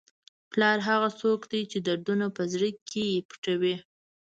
پلار هغه څوک دی چې دردونه په زړه کې پټوي.